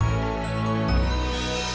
saya berterima kasih